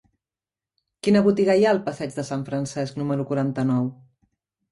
Quina botiga hi ha al passeig de Sant Francesc número quaranta-nou?